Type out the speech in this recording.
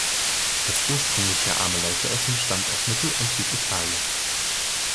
Das ursprüngliche „Arme-Leute-Essen“ stammt aus Mittel- und Süditalien.